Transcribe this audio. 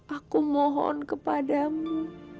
aku mohon kepadamu